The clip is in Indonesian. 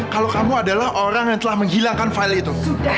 kalau kamu adalah orang yang telah menghilangkan file itu